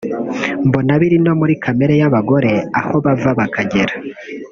mbona biri no muri kamere y’abagore aho bava bakagera